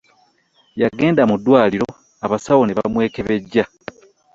Yagenda mu ddwaliro abasawo ne bamwekebejja.